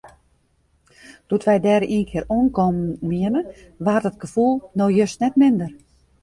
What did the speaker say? Doe't wy dêr ienkear oankommen wiene, waard dat gefoel no just net minder.